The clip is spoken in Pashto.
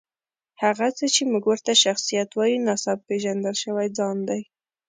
هغه څه چې موږ ورته شخصیت وایو، ناسم پېژندل شوی ځان دی.